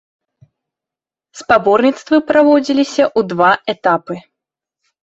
Спаборніцтвы праводзіліся ў два этапы.